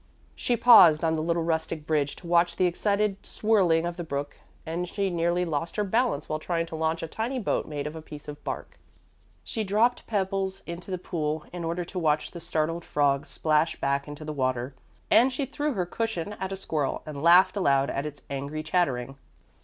She paused on the little rustic bridge to watch the excited swirling of the brook, and she nearly lost her balance while trying to launch a tiny boat made of a piece of bark. She dropped pebbles into the pool in order to watch the startled frogs splash back into the water, and she threw her cushion at a squirrel, and laughed aloud at its angry chattering.